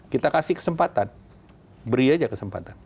kita kasih kesempatan beri aja kesempatan